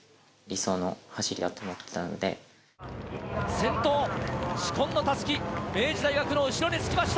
先頭、紫紺の襷、明治大学の後ろにつきました。